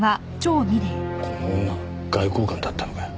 この女外交官だったのかよ。